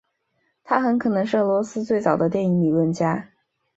他很可能是俄罗斯最早的电影理论家。